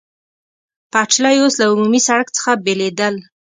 پټلۍ اوس له عمومي سړک څخه بېلېدل.